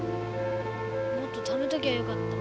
もっとためときゃよかった。